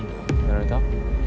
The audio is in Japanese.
やられた？